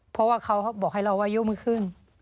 เพราะว่าเขาบอกให้เราว่ายกมือขึ้น